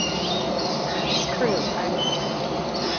It's cruel, I know.